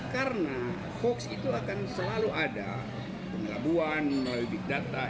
karena hoax itu akan selalu ada penggabuan melalui big data